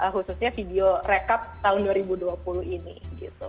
khususnya video rekap tahun dua ribu dua puluh ini gitu